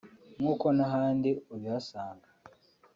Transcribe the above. nk’uko n’ahandi ubihasanga